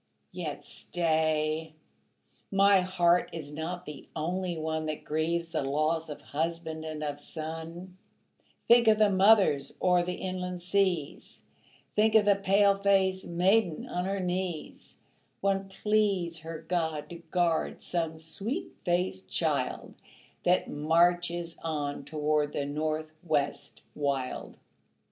Yet stay, my heart is not the only one That grieves the loss of husband and of son; Think of the mothers o'er the inland seas; Think of the pale faced maiden on her knees; One pleads her God to guard some sweet faced child That marches on toward the North West wild.